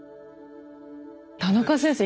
田中先生